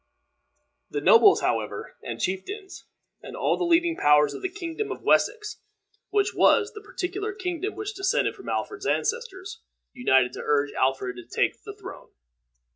The nobles, however, and chieftains, and all the leading powers of the kingdom of Wessex, which was the particular kingdom which descended from Alfred's ancestors, united to urge Alfred to take the throne.